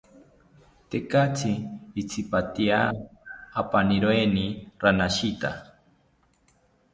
Tekatzi itzipatya apaniroeni ranashita